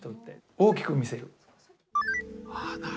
大きく見せる。